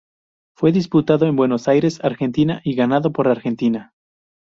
Fue disputado en Buenos Aires, Argentina y ganado por Argentina.